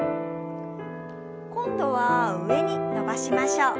今度は上に伸ばしましょう。